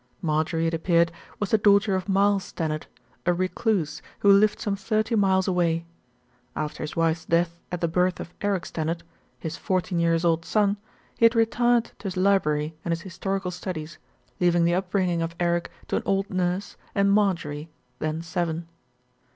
Marjorie, it appeared, was the daughter of Miles Stannard, a recluse, who lived some thirty miles away. After his wife's death at the birth of Eric Stan nard, his fourteen years' old son, he had retired to his 52 THE RETURN OF ALFRED library and his historical studies, leaving the upbringing of Eric to an old nurse and Marjorie, then seven.